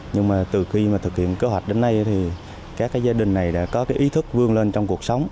nhưng mà từ khi thực hiện cơ hoạch đến nay thì các gia đình này đã có ý thức vươn lên trong cuộc sống